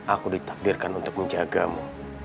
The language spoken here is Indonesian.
aku ditakdirkan untuk menjagamu